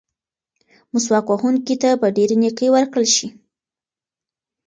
مسواک وهونکي ته به ډېرې نیکۍ ورکړل شي.